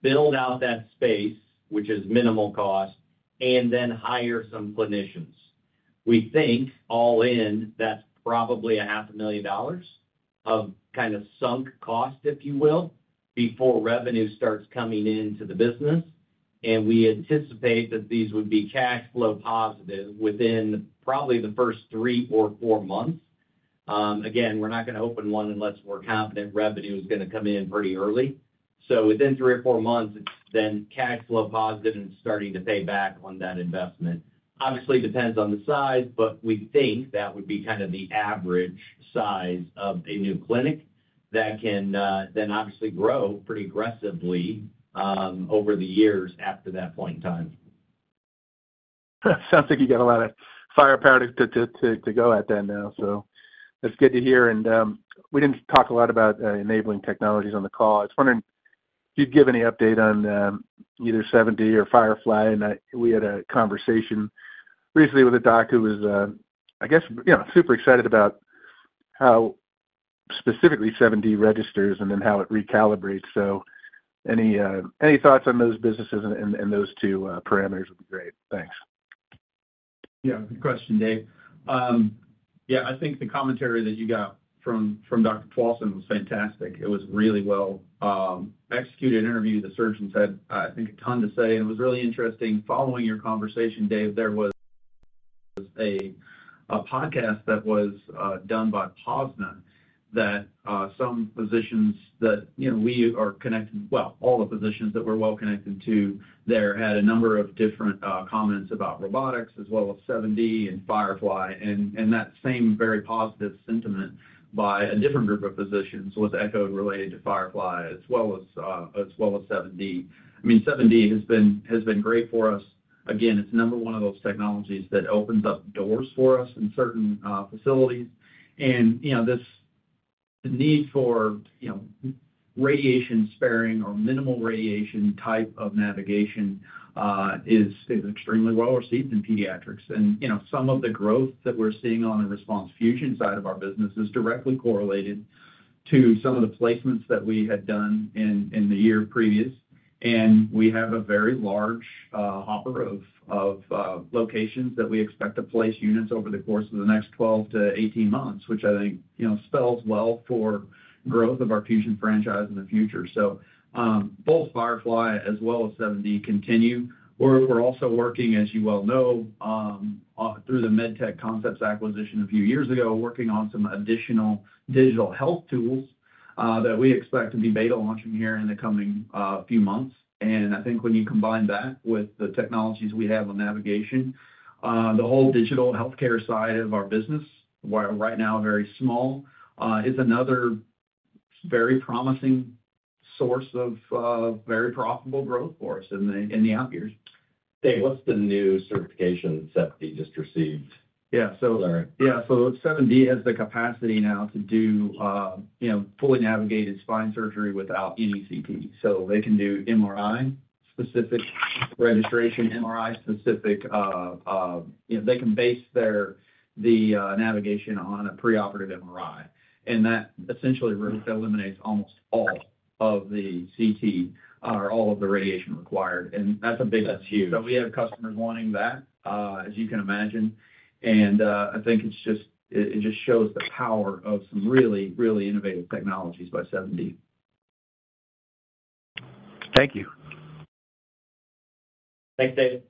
build out that space, which is minimal cost, and then hire some clinicians. We think, all in, that's probably $500,000 of kind of sunk cost, if you will, before revenue starts coming into the business, and we anticipate that these would be cash flow positive within probably the first three or four months. Again, we're not going to open one unless we're confident revenue is going to come in pretty early. So within three or four months, it's then cash flow positive and starting to pay back on that investment. Obviously, depends on the size, but we think that would be kind of the average size of a new clinic that can, then obviously grow pretty aggressively, over the years after that point in time. Sounds like you got a lot of firepower to go at that now, so that's good to hear. And, we didn't talk a lot about enabling technologies on the call. I was wondering if you'd give any update on either 7D or Firefly, and we had a conversation recently with a doc who was, I guess, you know, super excited about how specifically 7D registers and then how it recalibrates. So any thoughts on those businesses and those two parameters would be great. Thanks. Yeah, good question, Dave. Yeah, I think the commentary that you got from, from Dr. Paulson was fantastic. It was really well executed interview. The surgeon said, I think, a ton to say, and it was really interesting. Following your conversation, Dave, there was a podcast that was done by POSNA, that some physicians that, you know, we are connected, well, all the physicians that we're well connected to there had a number of different comments about robotics as well as 7D and Firefly. And that same very positive sentiment by a different group of physicians was echoed related to Firefly as well as as well as 7D. I mean, 7D has been great for us. Again, it's number one of those technologies that opens up doors for us in certain facilities. You know, this, the need for, you know, radiation sparing or minimal radiation type of navigation is extremely well received in pediatrics. You know, some of the growth that we're seeing on the RESPONSE Fusion side of our business is directly correlated to some of the placements that we had done in the year previous. We have a very large hopper of locations that we expect to place units over the course of the next 12-18 months, which I think, you know, spells well for growth of our fusion franchise in the future. Both Firefly as well as 7D continue. We're also working, as you well know, through the MedTech Concepts acquisition a few years ago, working on some additional digital health tools, that we expect to be beta launching here in the coming, few months. And I think when you combine that with the technologies we have on navigation, the whole digital healthcare side of our business, while right now very small, is another very promising source of, very profitable growth for us in the, in the out years. Dave, what's the new certification 7D just received? Yeah. So- Sorry. Yeah, so 7D has the capacity now to do, you know, fully navigated spine surgery without any CT. So they can do MRI-specific registration, MRI-specific, you know, they can base their navigation on a preoperative MRI, and that essentially re-eliminates almost all of the CT, or all of the radiation required. And that's a big- That's huge. So we have customers wanting that, as you can imagine. And, I think it's just, it just shows the power of some really, really innovative technologies by 7D. Thank you. Thanks, David.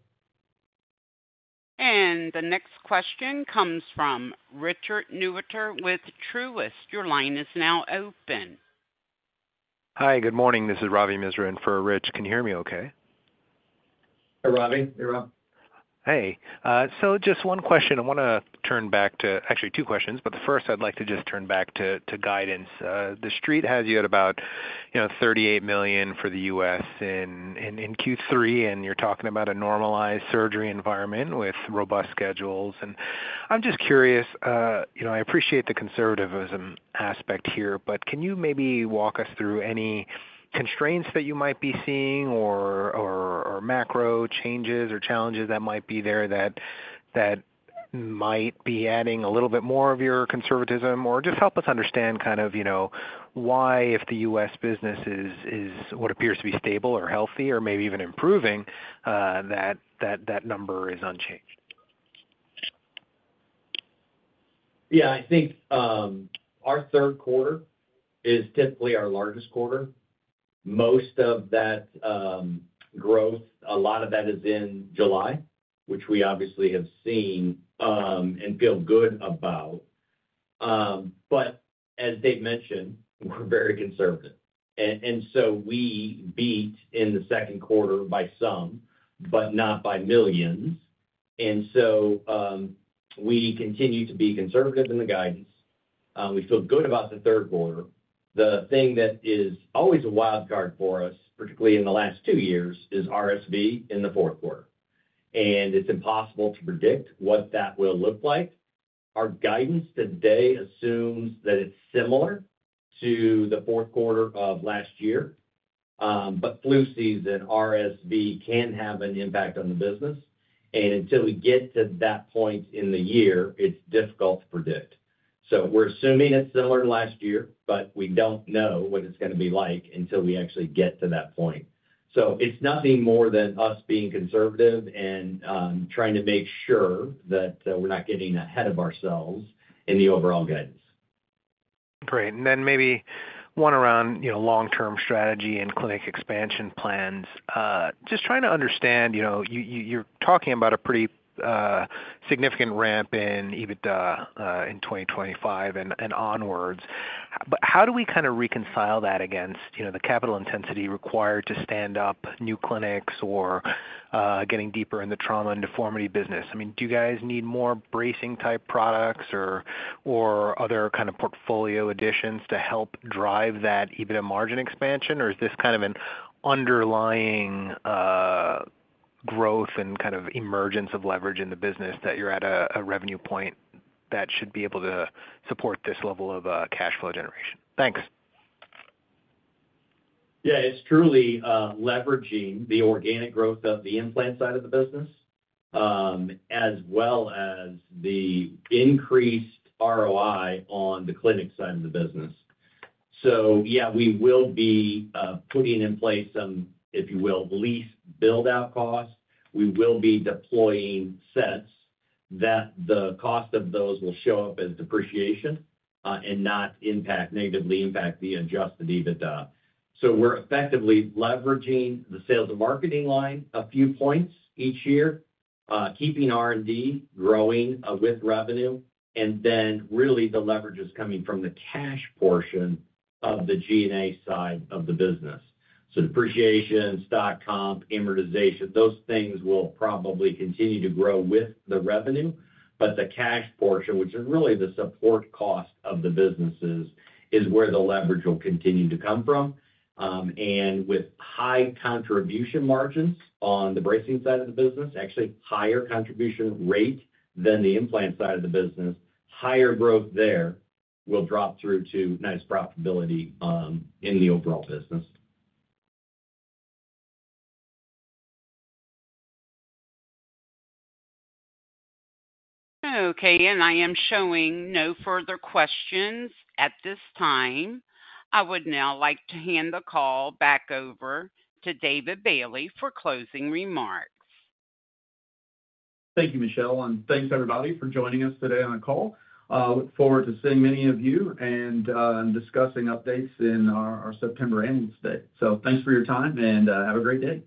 The next question comes from Richard Newitter with Truist. Your line is now open. Hi, good morning. This is Ravi Misra in for Rich. Can you hear me okay? Hi, Ravi. Hey, Ravi. Hey, so just one question. I want to turn back to... Actually, two questions, but the first, I'd like to just turn back to guidance. The Street has you at about-... you know, $38 million for the US in Q3, and you're talking about a normalized surgery environment with robust schedules. And I'm just curious, you know, I appreciate the conservativism aspect here, but can you maybe walk us through any constraints that you might be seeing or macro changes or challenges that might be there that might be adding a little bit more of your conservatism? Or just help us understand kind of, you know, why, if the US business is what appears to be stable or healthy or maybe even improving, that number is unchanged. Yeah, I think, our third quarter is typically our largest quarter. Most of that, growth, a lot of that is in July, which we obviously have seen, and feel good about. But as Dave mentioned, we're very conservative, and, and so we beat in the second quarter by some, but not by millions. And so, we continue to be conservative in the guidance. We feel good about the third quarter. The thing that is always a wildcard for us, particularly in the last two years, is RSV in the fourth quarter. And it's impossible to predict what that will look like. Our guidance today assumes that it's similar to the fourth quarter of last year, but flu season, RSV, can have an impact on the business, and until we get to that point in the year, it's difficult to predict. So we're assuming it's similar to last year, but we don't know what it's gonna be like until we actually get to that point. So it's nothing more than us being conservative and trying to make sure that we're not getting ahead of ourselves in the overall guidance. Great. And then maybe one around, you know, long-term strategy and clinic expansion plans. Just trying to understand, you know, you're talking about a pretty significant ramp in EBITDA in 2025 and onwards. But how do we kind of reconcile that against, you know, the capital intensity required to stand up new clinics or getting deeper in the Trauma and Deformity business? I mean, do you guys need more bracing-type products or other kind of portfolio additions to help drive that EBITDA margin expansion? Or is this kind of an underlying growth and kind of emergence of leverage in the business, that you're at a revenue point that should be able to support this level of cash flow generation? Thanks. Yeah, it's truly leveraging the organic growth of the implant side of the business, as well as the increased ROI on the clinic side of the business. So yeah, we will be putting in place some, if you will, lease build-out costs. We will be deploying sets that the cost of those will show up as depreciation, and not negatively impact the adjusted EBITDA. So we're effectively leveraging the sales and marketing line a few points each year, keeping R&D growing with revenue, and then really the leverage is coming from the cash portion of the G&A side of the business. So depreciation, stock comp, amortization, those things will probably continue to grow with the revenue, but the cash portion, which is really the support cost of the businesses, is where the leverage will continue to come from. With high contribution margins on the bracing side of the business, actually higher contribution rate than the implant side of the business, higher growth there will drop through to nice profitability in the overall business. Okay, and I am showing no further questions at this time. I would now like to hand the call back over to David Bailey for closing remarks. Thank you, Michelle, and thanks, everybody, for joining us today on the call. Look forward to seeing many of you and, discussing updates in our September Analyst Day. Thanks for your time, and, have a great day.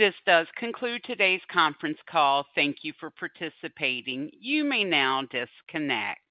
This does conclude today's conference call. Thank you for participating. You may now disconnect.